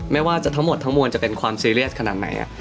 ไม่ว่าจะทั้งหมดทั้งมวลจะเป็นความซีเรียสขนาดไหน